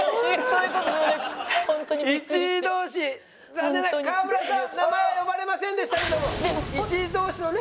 残念ながら川村さん名前呼ばれませんでしたけども１位同士のね。